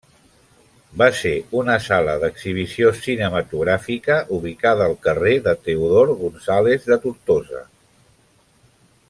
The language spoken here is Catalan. Va ser una sala d'exhibició cinematogràfica ubicada al carrer de Teodor González de Tortosa.